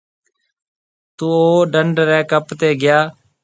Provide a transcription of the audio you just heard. تو او ڊنڍ رَي ڪپ تي گيا۔